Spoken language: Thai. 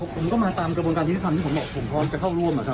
ผมก็มาตามกระบวนการยุทธิธรรมที่ผมบอกผมพร้อมจะเข้าร่วมนะครับ